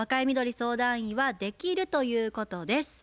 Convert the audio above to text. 相談員は「できる」ということです。